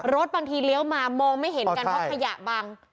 บางทีเลี้ยวมามองไม่เห็นกันเพราะขยะบัง